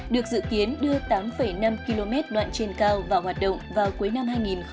được dự kiến đưa tám năm km đoạn trên cao vào hoạt động vào cuối năm hai nghìn hai mươi